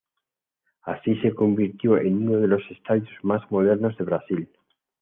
Así se convirtió en uno de los estadios más modernos de Brasil.